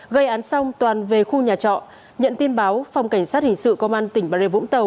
gây án xong toàn về khu nhà trọ nhận tin báo phòng cảnh sát hình sự công an tỉnh bà rê vũng tàu